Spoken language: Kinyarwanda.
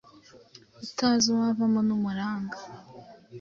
Utazi uwavamo n’umuranga!